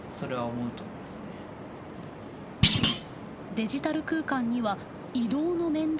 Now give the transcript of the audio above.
デジタル空間には移動の面倒もない。